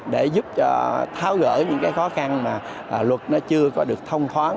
để giúp cho tháo gỡ những cái khó khăn mà luật nó chưa có được thông thoáng